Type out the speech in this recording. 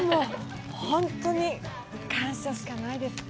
本当に感謝しかないです。